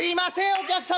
お客様